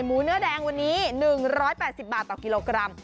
เนื้อแดงวันนี้๑๘๐บาทต่อกิโลกรัม